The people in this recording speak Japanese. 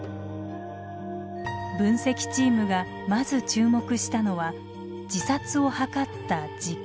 分析チームがまず注目したのは自殺を図った時間。